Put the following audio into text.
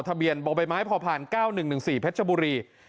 ทะเบียนบบพ๙๑๑๔เพชรบุรี